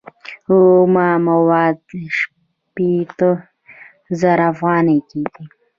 اومه مواد شپیته زره افغانۍ کېږي